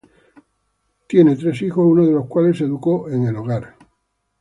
Tiene tres hijos, uno de los cuales se educó en el hogar.